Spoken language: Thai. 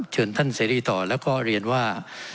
เชิญท่านเสรีต่อแล้วก็เรียนว่า